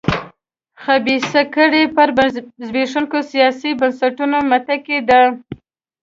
خبیثه کړۍ پر زبېښونکو سیاسي بنسټونو متکي ده.